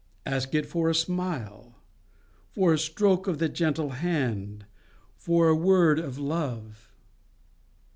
Ask it for a smile, for a stroke of the gentle hand, for a word of love.